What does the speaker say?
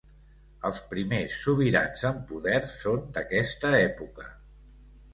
Els primers sobirans amb poder són d'aquesta època.